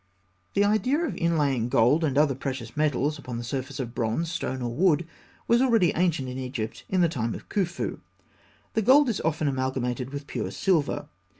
] The idea of inlaying gold and other precious metals upon the surface of bronze, stone, or wood was already ancient in Egypt in the time of Khûfû. The gold is often amalgamated with pure silver.